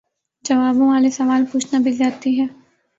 جوابوں والے سوال پوچھنا بھی زیادتی ہے